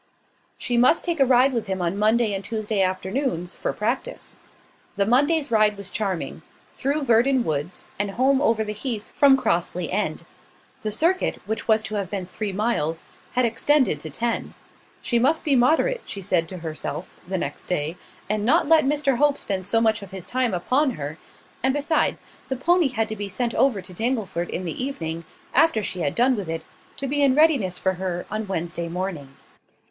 She must take a ride with him on Monday and Tuesday afternoons, for practice. The Monday's ride was charming; through Verdon woods, and home over the heath from Crossley End. The circuit, which was to have been three miles, had extended to ten. She must be moderate, she said to herself, the next day, and not let Mr Hope spend so much of his time upon her; and besides, the pony had to be sent over to Dingleford in the evening, after she had done with it, to be in readiness for her on Wednesday morning.